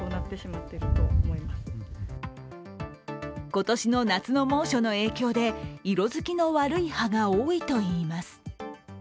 今年の夏の猛暑の影響で色づきの悪い葉が多いといいます。